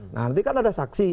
nanti kan ada saksi